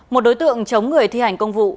một đối tượng chống người thi hành công vụ